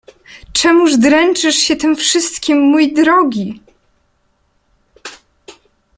— Czemuż dręczysz się tym wszystkim, mój drogi?